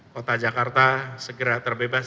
kepala jakarta segera terbebas